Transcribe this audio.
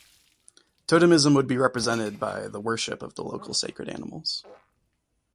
Totemism would be represented by the worship of the local sacred animals.